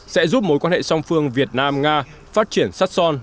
sẽ giúp mối quan hệ song phương việt nam nga phát triển sắt son